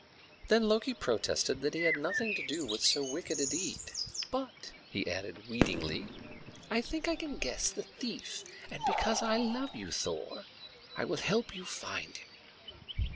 Then Loki protested that he had nothing to do with so wicked a deed. "But," he added wheedlingly, "I think I can guess the thief; and because I love you, Thor, I will help you to find him."